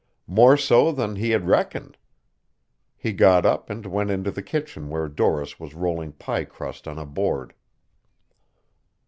More so than he had reckoned. He got up and went into the kitchen where Doris was rolling pie crust on a board.